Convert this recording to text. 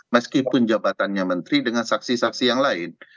meskipun jabatannya menteri dengan saksi saksi yang lain